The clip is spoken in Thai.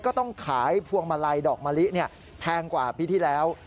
ก็ต้องขายพวงมาลัยดอกมะลิแพงกว่าปีที่แล้ว